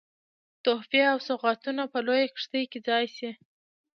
تحفې او سوغاتونه په لویه کښتۍ کې ځای سي.